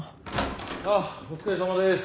あっお疲れさまです。